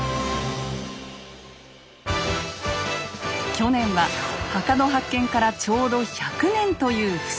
去年は墓の発見からちょうど１００年という節目の年。